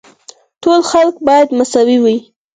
ټول خلک باید مساوي وي.